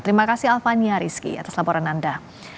terima kasih alvania rizky atas laporan anda